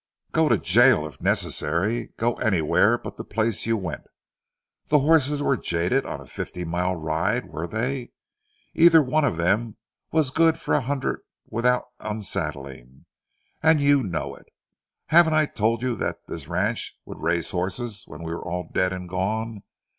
"Go to jail if necessary. Go anywhere but the place you went. The horses were jaded on a fifty mile ride, were they? Either one of them was good for a hundred without unsaddling, and you know it. Haven't I told you that this ranch would raise horses when we were all dead and gone?